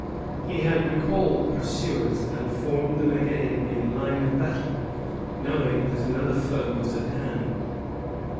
He had recalled the pursuers, and formed them again in line of battle, knowing that another foe was at hand.